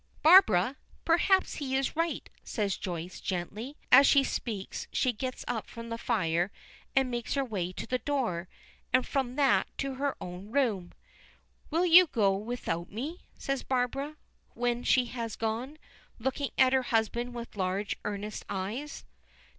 "Barbara! perhaps he is right," says Joyce, gently; as she speaks she gets up from the fire and makes her way to the door, and from that to her own room. "Will you go without me?" says Barbara, when she has gone, looking at her husband with large, earnest eyes.